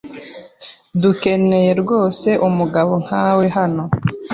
Dukeneye rwose umugabo nkawe hano.